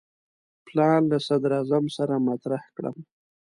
پلان له صدراعظم سره مطرح کړم.